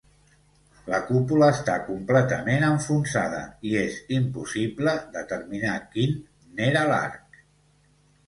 La cúpula està completament enfonsada i és impossible determinar quin n'era l'arc.